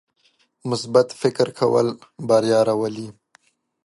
مثبت فکر کول بریا راولي.